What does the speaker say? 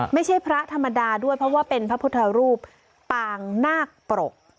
ไม่ใช่พระธรรมดาด้วยเพราะว่าเป็นพระพุทธรูปปางนาคปรก